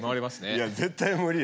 いや絶対無理や。